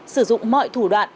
sử dụng mọi thủ đoán